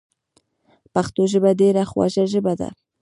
پښتو ژبه ډیره خوږه ژبه ده